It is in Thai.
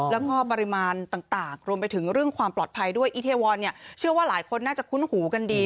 แล้วก็ปริมาณต่างรวมไปถึงเรื่องความปลอดภัยด้วยอีเทวอนเนี่ยเชื่อว่าหลายคนน่าจะคุ้นหูกันดี